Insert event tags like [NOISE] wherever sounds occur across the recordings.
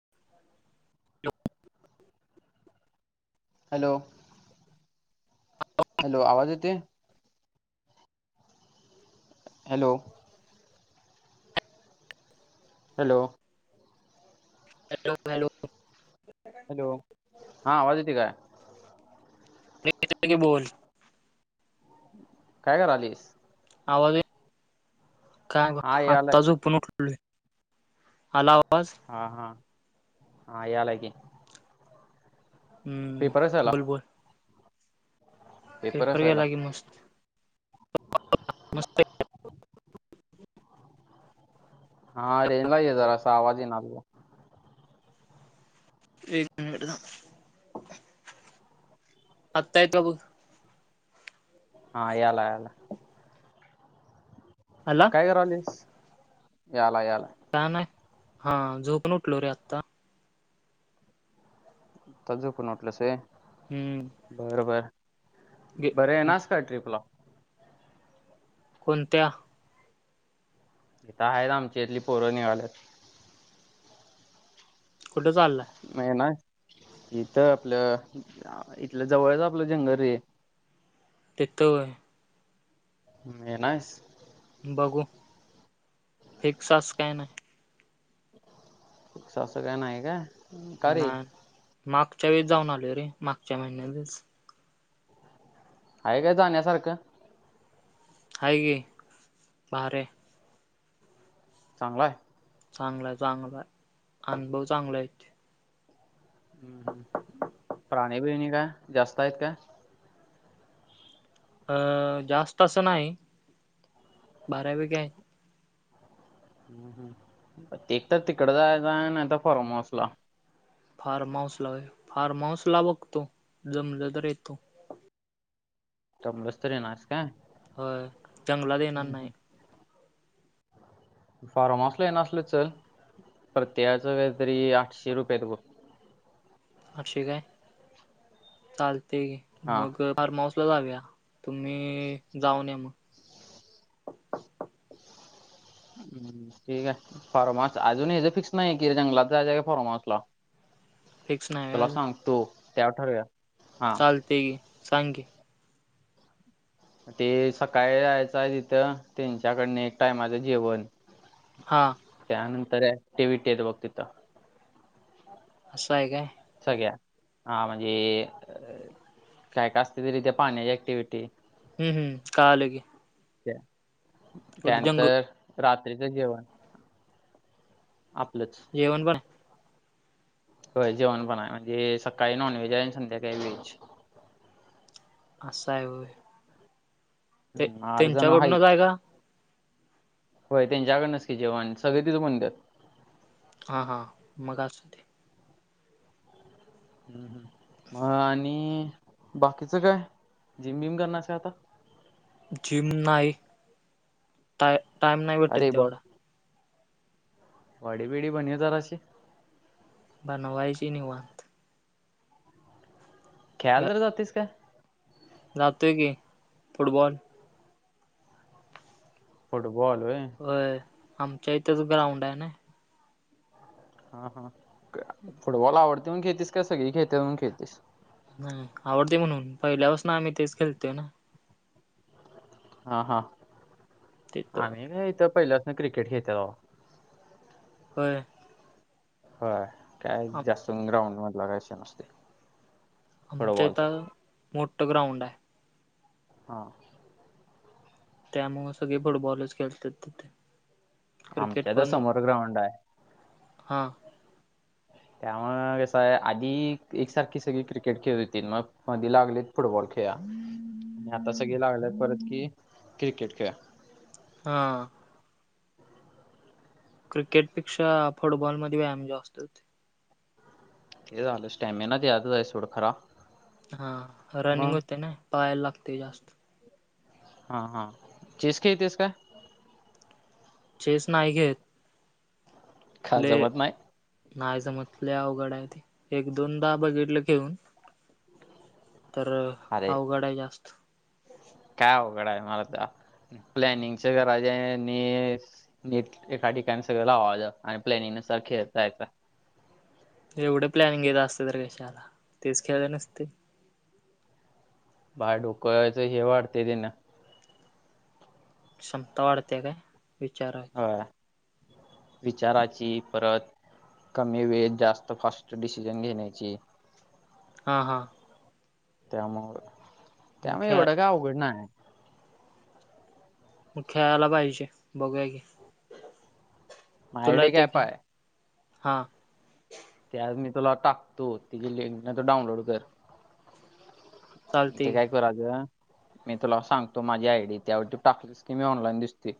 [UNINTELLIGIBLE] Hello. Hello, आवाज येतोय? Hello. Hello. Hello, hello. Hello, हां वाजते काय? मला येतंय की, बोल. काय करायलेस? आवाज.... काय बघ, हा यालाय आत्ता झोपून उठलोय. आला आवाज? हा हा. हा, याला की. हम्म्, पेपर कसायला बोल.. बोल. पेपर गेला की मस्त [INAUDIBLE] मस्त. हा, रेंजला ये जरासा आवाज येईना तुझा. एक मिनिट थांब, आता येतंय का बघ? हा, यायला यायला. हॅलो. काय करायलास? यायला यायला. काय नाही. हा, झोपून उठलो रे आत्ता आत्ता झोपून उठलायस होय. हम्म्. बरं बरं. घे. बरं, येणारस का ट्रीपला? कोणत्या? इथं आहेत, आमच्या इथली पोरं निघाल्यात. कुठं चाल? नाही ना. इथं आपलं आ इथलं जवळचं आपलं जंगल रे तिथं होय? मग येणारेस? बघू? फिक्सं असं काय नाही. फिक्स असं काय नाही का? रे नाही. मागच्या वेळेस जाऊन आलोय रे, मागच्या महिन्यातच. आहे काय जाण्यासारखं? हाय की, भारी आहे. चांगलाय. चांगलाय, चांगला आहे. अनुभव चांगला आहे. हम्, प्राणी बिणी काय, जास्त आहेत का? अ.. जास्त असं नाही, बर्यापैकी आहे. हम्, एक तर तिकडं जायचं आहे, नाही तर फॉर्म हाऊसला. फार्म हाऊसला होय? फार्माहाऊसला बघतो, जमलं तर येतो. जमलंस तर येणार आहेस का? होय, जंगलात येणार नाही. फार्म हाऊसला येणार असलं चल, प्रत्येकाचं काहीतरी आठशे रुपयेत बघ. आठशे काय? चालते गे हा मग फार्म हाऊसला जाऊया, तुम्ही जाऊन या मग. हम्म ठीक आहे फार्मास अजून हेज फिक्स नाही कि जंगलात जायच का फॉर्माहाउसला. फिक्स नाही होय तुला अजून सांगतो त्यावर ठरूया. चालते की, सांग की. ते सकाळी यायचं आहे तिथं त्यांच्याकडन एक टायमाचं जेवण. हा. त्यानंतर ऍक्टिव्हिटी हाईत बघ तिथ. असं आहे काय? सगळ्या हा म्हणजे अ काय काय असत तरी त्या पाण्याची ऍक्टिव्हटी. हम् हम्म काळाल घे. जंगल त्यानंतर रात्रीचं जेवण आपलंच. येवन पण होय जेवण पण हाय म्हणजे सकाळी नॉन व्हेज आणि संध्याकाळी व्हेज. असं आहे होय. ते हम्म आठ जण त्यांच्याकडूनचय आहेत हाय का? होय त्यांच्याकडनच कि जेवण सगळे तिथं म्हणतात. हां हां मग अस ते. ह् मग आणि बाकीच काय जिम बिम करणारच का आता? जिम नाही, टाय टाइम नाही भेटत अरे बॉ तेवढा. बॉडी बीडी बनुया जराशी. बनवायची नि. खेळ्याल तर जातेस काय! जातो की, फुटबॉल. फुटबॉल वय. होय आमच्या इथच ग्राउंड आहे ना. हा हा फुटबॉल आवडते म्हण खेळतीस का सगळी खेळत्यात म्हणून खेळतीस? नाही आवडते म्हणून पहिल्या पासन आम्ही तेच खेळतोय ना. हा हा तिथं आम्ही इथ पहिल्यासन क्रिकेट खेळतोय बाबा. होय. होय काय आम जास्त ग्राउंड मधला काय विषय नसते. आमचं इथं मोठं ग्राउंड आहे. हा. त्यामुळ सगळे फुटबॉलच खेळतात तिथे. क्रिकेट आमच्या तर पण समोर ग्राउंड आहे. हा. त्यामुळ कसं आहे आधी एकसारखी सगळी क्रिकेट खेळत होतील मग मधी लागले फुटबॉल खेळा आणि आता सगळे लागल्याय परत कि क्रिकेट खेळा. हा. क्रिकेटपेक्षा फुटबॉलमध्ये व्यायाम जास्त आहे. ते झालं स्टॅमिना त्यात हाय सोड खरा हा रनिंग मग होते ना पाळाय लागते जास्त. हा हा चेस खेळतेस काय? चेस नाही खेळत. का ले जमत नाही नाही जमत, लई अवघड आहे ते. एक दोनदा बघितलं घेऊन तर अरे अवघड आहे जास्त. काय अवघड आहे म आता? प्लॅनिंगच [UNINTELLIGIBLE] नीट एका ठिकाणी सगळं लावांयचं, आणि प्लॅनिंग नुसार खेळता येतं. एवढ प्लॅनिंग येत असत तर कशाला! तेच खेळल नसते? बाय डोकवायचं हे वाढते त्यान. क्षमता वाढते काय विचार [UNINTELLIGIBLE] [UNINTELLIGIBLE] विचाराची परत कमी वेळेत जास्त फास्ट डिसिजन घेण्याची हां हां. त्यामुळ, मग त्यामुळे खेळ एवढं काय अवघड नाय आहे. मग खेळायला पाहिजे बघूया की, तुला माझ्याकडे एक येते ॲप का? आहे हां. ते आज मी तुला टाकतो तिची लिंक म तू डाउनलोड कर. चालते ते की काय कराच मी तुला सांगतो माझी आय डी, त्यावरत तू टाकलीस की मी ऑनलाईन दिसते.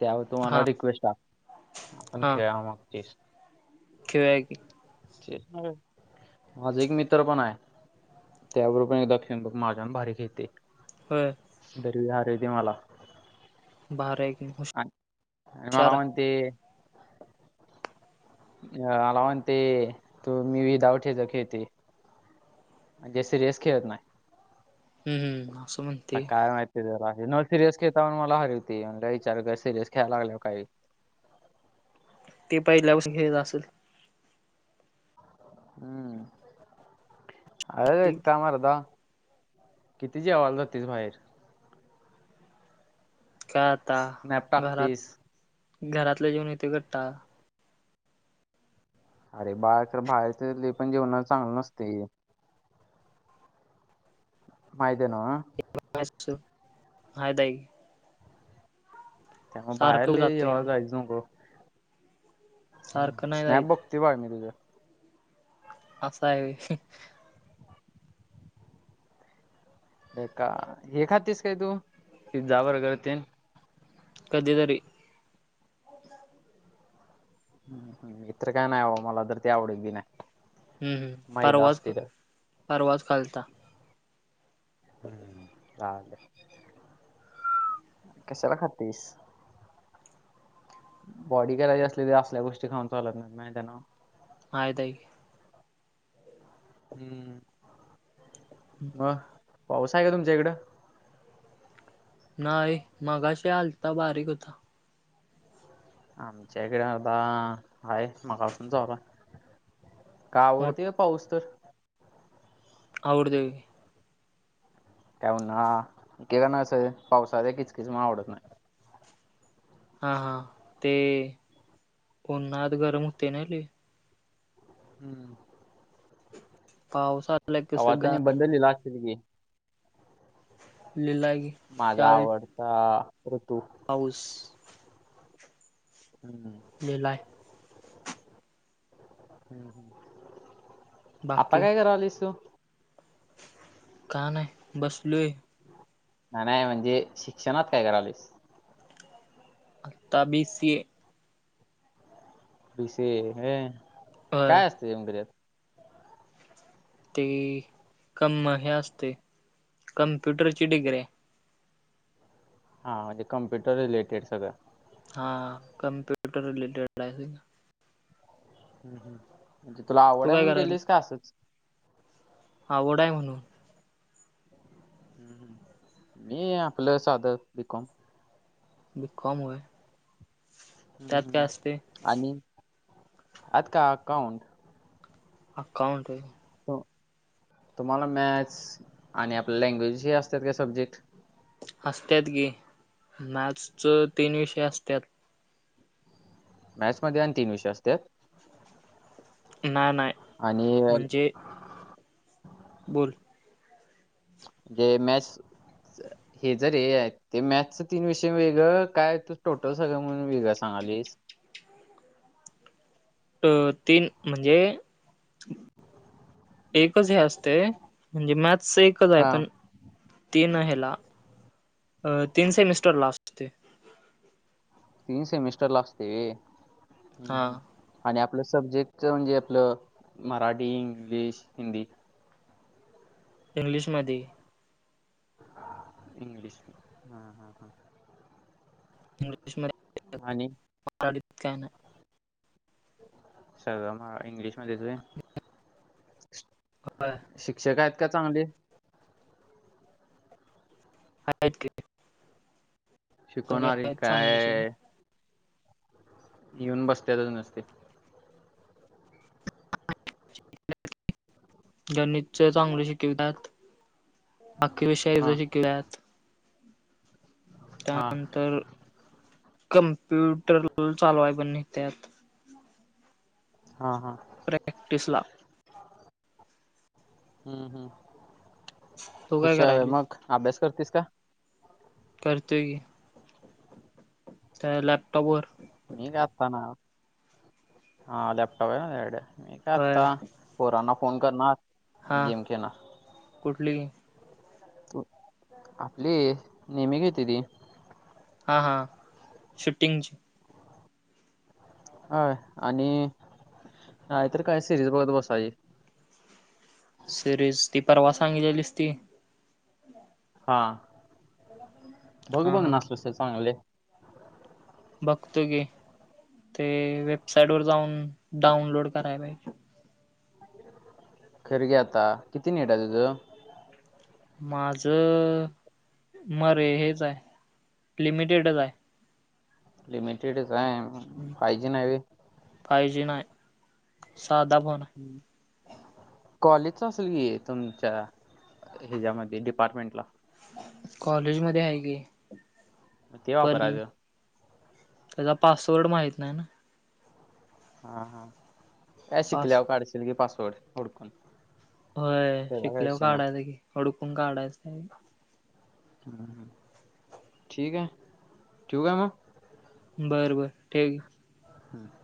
त्यावर तु मला हा रिक्वेस्ट टाक आपण हा खेळा मंग चेक्स. खेळूया की! माझा एक मित्र पण आहे. त्या बरोबर पण एकदा खेळून बघ, माझ्याहून भारी खेळते. होय. दरवेळी हारवीते मला. [UNINTELLIGIBLE] आणि आणि मला हुशार आहे म्हणते अ मला म्हणजे, तू मी विदाऊट ह्याच खेळते. म्हणजे सिरियस खेळत नाही. हम्म हम्म असं म्हण आता काय माहिती जरा, हे न सिरियस खेळता पण मला हरवती, म्हणल हीच्या बरोबर सिरियस खेळायला लागल्यावर काय होईल? ते पहिल्यापासून खेळत असल. हुं [UNINTELLIGIBLE] किती जेवाला जातीस बाहेर? काय आता स्नॅप घरात, टाकतीस. घरातल जेऊन येतोय कंटाळा. अरे बाहेर तर, बाहेरच लई पण जेवण चांगलं नसते. माहितीये न्हव? [UNINTELLIGIBLE] त्यामुळ बाहेर सारखं लय जातोय जेवायला आम्ही जायच नको. सारखं हम्म नाही स्नॅप जाईत बघतोय भाई मी तुझ. अस आहे होय! हे का हे खातीस काय तू पिझ्झा बर्गर ते? कधीतरी. इतर काय नाहीवं मला तर ते आवडत बी नाय. हम्म हम्म परवाच फ, परवाच खालता. हम्म. [UNINTELLIGIBLE] कशाला खातेस? बॉडी करायची असली तर असल्या गोष्टी खाऊन चालत नाही. माहिती आहे न? माहीत आहे. हम्म... म [INAUDIBLE] पाऊस आहे का तुमच्या इकडं? नाही, मगाशी आलता बारीक होता. आमच्या इकडे, बाबा आहे. मगापासून चालू आहे. काय मोठ आवडतती. पाऊस तर आवडतंय [INAUDIBLE] वय. काय [UNINTELLIGIBLE] पावसा किचकीच मूळ आवडत नाही. हा... हा.. ते उन्हात गरम होते न लय. हम्म... पावस [INAUDIBLE] कावाती [INAUDIBLE] नी बंदल ला असते की, नी लीला की, माझा शाळेत आवडता ऋतू पाऊस.... हम्म... जिल्हा.. हम्म... आता बाकी काय करालीस तू? का नाही, बसलोय. नाही... म्हणजे? शिक्षणात काय करालेस? आता, बी. सी. ए. बी. स. ए व्हय अ काय असते नेमकं तेच्यात? ते कम हे असतंय, कमप्युटरची डिग्री आहे. हां.. म्हणजे, कम्प्युटर रिलेटेड सगळं. हा.. कमप्युटर रिलेटेड आहे. ह.. म्हणजे? तुला आवड तू आहे काय म्हणून करायल केलीस का असंच. आवड आहे. म्हणून ह् मी आपलं साधं बि. कॉम. बी. कॉम व्हय. ह्... ह.. आणि आ.. का अकाउंट. अकाउंट. तुम्हाला, मॅथ्स आणि आपल्या लँग्वेज हे असत्यात काय सब्जेक्ट? असत्यात की, मॅथ्सच तीन विषय असत्यात. मॅथ्स मध्ये आणि तीन विषय असत्यात. नाही.. नाही. आणि.... म्हणजे बोल... तेम मॅथ्स हेच रे ते मॅथ्स च तीन विषय वेगळं. काय तू, टोटल सगळं म्हणून वेगळं सांगालीस. अ... तीन म्हणजे एकच हे असते. म्हणजे? मॅथ्स एक आहे. हा. पण तीन ह्याला तीन सेमिस्टर ला असतय. तीन सेमिस्टर ला असतंय व्हय. हम्म... हा हम्म.... आणि आपलं सब्जेक्ट च म्हणजे? आपलं मराठी, इंग्लिश, हिंदी. इंग्लिश मध्ये... इंग्लिश हा.. हा... हा.... इंग्लिश मध्ये आणि मराठीत काय नाय. सगळं मग इंग्लिशमध्येच व्हय. व्हय. शिक्षक आहेत का चांगले? आहेत की. सगळे शिकवणारे आहेत चांगली सोड काय? येऊन बसत्यातच नुसती. गणितच चांगलं शिकवितात. बाकी विषयाच हा शिकल्यात. हा त्यानंतर कमप्युटर पण चालवाय नेत्यांत. हा-हा. प्रॅक्टीसला. हम्म-हम्म, तू काय हुशार आहे. करायली मग अभ्यास करतीस का? करतोय की त्या लॅपटॉप वर. मी काय आता नाही? लॅपटॉप आहे ना तुझ्याकडं म काय होय आता. पोरांना फोन करणार. हा, गेम खेळणार कुठली? आपली नेहमी घेते ती. हां-हां, शूटिंगची व्हयं आणि नाहीतर काय सिरीज बघत बसायच. सिरीज ती परवा सांगितलेलीस ती.. हा, बघ. हा हा बघणार असलास तर चांगले आहे. बघतो कि, ते वेबसाइट वर जाऊन डाऊनलोड कराय पाहिजे. खरं की आता किती नीट आहे तुझं! माझ मरे हेच आहे, लिमिटेडच आहे. लिमिटेड आहे, फायजी नाही होय. फायजी‌ नाही साधा फोन हाय. हम्म. कॉलेजच असेल की तुमच्या हेच्यामध्ये डिपार्टमेंटला. कॉलेजमध्ये आहे की, मग ते पण वापरायचं त्याचा पासवर्ड माहित नाही ना. हा-हा, का? पास शिकल्यावं काढशील की पासवर्ड हुडकून. होय, त्याचा काय शिकल्यावर विषय नाही काढायचं की हुडकून काढायचं. हं, ठीक आहे. ठिऊ काय मग? बर-बर, ठेव. हम्म.